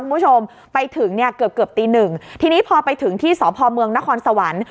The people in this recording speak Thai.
คุณผู้ชมไปถึงเนี่ยเกือบเกือบตีหนึ่งทีนี้พอไปถึงที่สพเมืองนครสวรรค์